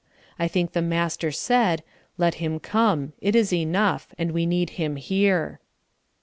I think the master said: "Let him come; it is enough; and we need him here."